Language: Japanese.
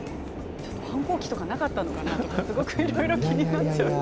反抗期とかなかったのかなとかいろいろ気になっちゃう。